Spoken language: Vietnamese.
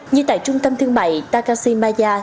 như tại trung tâm thương mại takashimaya